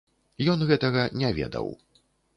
Ён гэтага не ведаў.